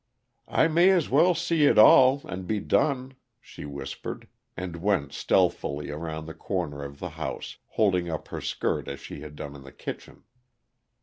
"I may as well see it all, and be done," she whispered, and went stealthily around the corner of the house, holding up her skirts as she had done in the kitchen.